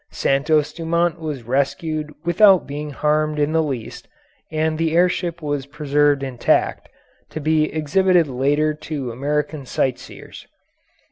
Santos Dumont was rescued without being harmed in the least, and the air ship was preserved intact, to be exhibited later to American sightseers.